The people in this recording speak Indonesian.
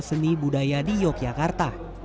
seni budaya di yogyakarta